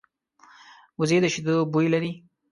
وزې د شیدو بوی لري